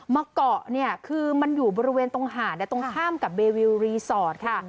มาเกาะเนี่ยคือมันอยู่บริเวณตรงหาดตรงข้ามกับเบวิวรีสอร์ทค่ะ